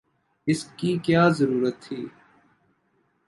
اس کی کیا ضرورت تھی؟